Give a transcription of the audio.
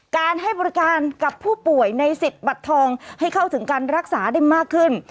การให้บริการกับผู้ป่วยในสิทธิ์บัตรทองให้เข้าถึงการรักษาได้มากขึ้น